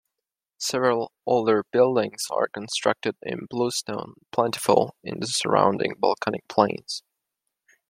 Several older buildings are constructed in bluestone, plentiful in the surrounding volcanic plains.